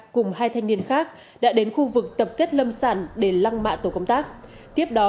cùng hai thanh niên khác đã đến khu vực tập kết lâm sản để lăng mạ tổ công tác tiếp đó